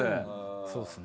そうですね